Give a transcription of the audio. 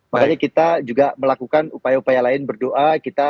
makanya kita juga melakukan upaya upaya lain berdoa